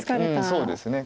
そうですね。